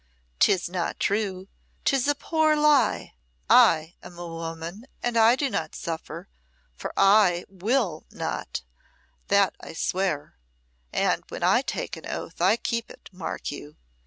'Tis not true. 'Tis a poor lie. I am a woman and I do not suffer for I will not, that I swear! And when I take an oath I keep it, mark you!